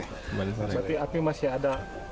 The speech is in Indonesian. berarti api masih ada